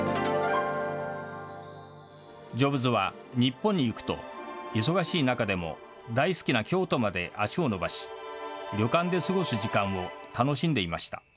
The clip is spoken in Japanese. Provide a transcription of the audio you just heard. ジョブズは日本に行くと、忙しい中でも大好きな京都まで足を延ばし、旅館で過ごす時間を楽しんでいました。